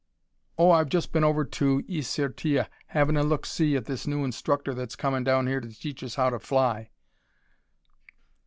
"Oh, I've just been over to Is Sur Tille havin' a look see at this new instructor that's comin' down here to teach us how to fly."